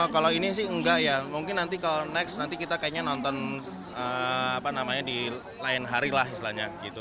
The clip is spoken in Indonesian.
kalau ini sih enggak ya mungkin nanti kalau next nanti kita kayaknya nonton apa namanya di lain hari lah istilahnya gitu